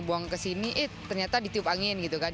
buang ke sini eh ternyata ditiup angin gitu kan